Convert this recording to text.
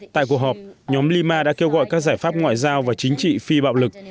tại cuộc họp nhóm lima đã kêu gọi các giải pháp ngoại giao và chính trị phi bạo lực